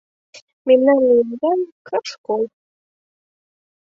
Мемнан еҥгай - кырш кол.